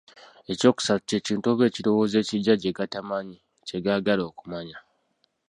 Ekyokusatu, kye kintu oba ekirowoozo ekiggya kye gatamanyi, kye gaagala okumanya.